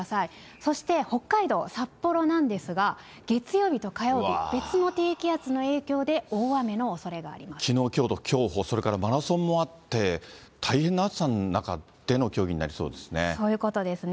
そして北海道札幌なんですが、月曜日と火曜日、別の低気圧の影響で、きのう、きょうと競歩、それからマラソンもあって、大変な暑さの中での競技になりそうですね。